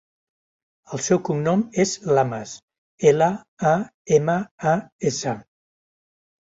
El seu cognom és Lamas: ela, a, ema, a, essa.